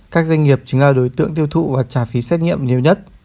các doanh nghiệp chính là đối tượng tiêu thụ và trả phí xét nghiệm nhiều nhất